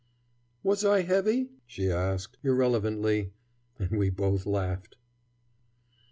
"Was I heavy?" she asked, irrelevantly, and we both laughed.